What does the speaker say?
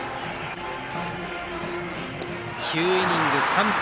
９イニング完封。